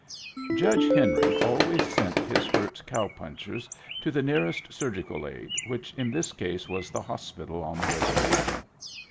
Judge Henry always sent his hurt cow punchers to the nearest surgical aid, which in this case was the hospital on the reservation.